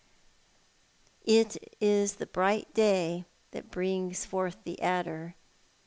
" It is the bright day that brings forth the adder."